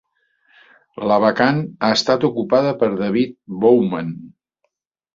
La vacant ha estat ocupada per David Bowman.